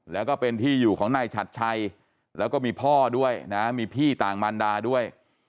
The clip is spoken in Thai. แล้วก็เป็นที่อยู่ของนายฉัดชัยแล้วก็มีพ่อด้วยนะมีพี่ต่างมันดาด้วย